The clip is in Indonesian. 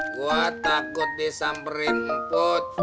gua takut disamperin put